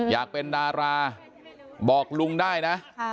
อยากเป็นดาราบอกลุงได้นะ